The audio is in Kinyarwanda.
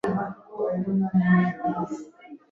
mu gihe hari n’abavuga ko bagera ku byishimo